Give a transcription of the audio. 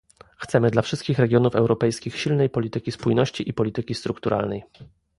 Chcemy dla wszystkich regionów europejskich silnej polityki spójności i polityki strukturalnej